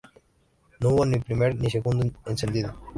No hubo ni primer ni segundo encendido.